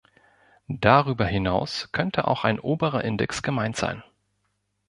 Darüber hinaus könnte auch ein oberer Index gemeint sein.